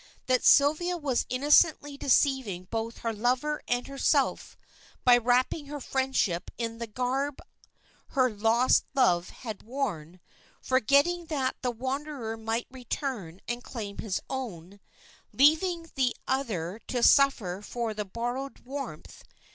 That Sylvia was innocently deceiving both her lover and herself, by wrapping her friendship in the garb her lost love had worn, forgetting that the wanderer might return and claim its own, leaving the other to suffer for the borrowed warmth.